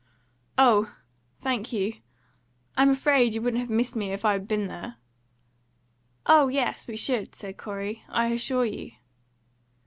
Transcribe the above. "Oh, thank you! I'm afraid you wouldn't have missed me if I had been there." "Oh yes, we should," said Corey, "I assure you."